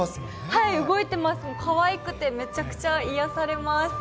はい、動いてます、かわいくてめちゃくちゃ癒やされます。